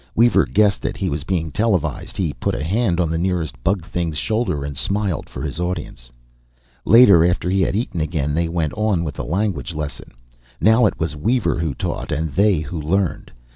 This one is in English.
Weaver guessed that he was being televised; he put a hand on the nearest bug thing's shoulder, and smiled for his audience. Later, after he had eaten again, they went on with the language lesson. Now it was Weaver who taught, and they who learned.